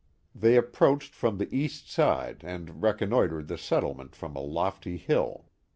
They approached from the east side and recon noitered the settlement from a lofty hill.